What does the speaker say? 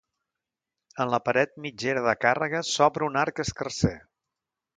En la paret mitgera de càrrega s’obre un arc escarser.